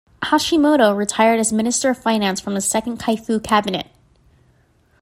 Hashimoto retired as Minister of Finance from the Second Kaifu Cabinet.